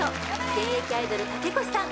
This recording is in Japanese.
現役アイドル竹越さん